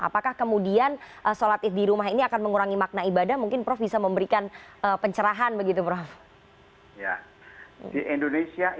para ulama pemimpin